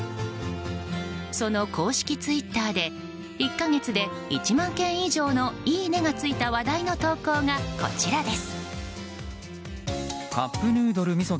その公式ツイッターで１か月で１万件以上のいいねがついた話題の投稿が、こちらです。